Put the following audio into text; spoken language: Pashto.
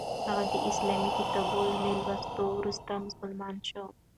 هغه د اسلامي کتابونو له لوستلو وروسته مسلمان شو.